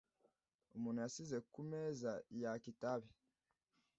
Umuntu yasize kumeza yaka itabi.